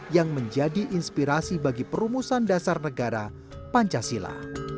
yang menjadi inspirasi bagi perumusan dasar negara pancasila